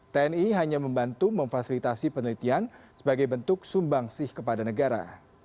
tni hanya membantu memfasilitasi penelitian sebagai bentuk sumbang sih kepada negara